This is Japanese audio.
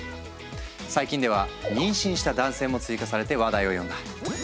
最近では妊娠した男性も追加されて話題を呼んだ。